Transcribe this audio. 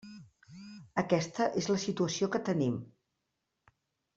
Aquesta és la situació que tenim.